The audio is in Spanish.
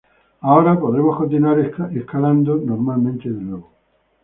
Ahora podremos continuar escalando normalmente de nuevo".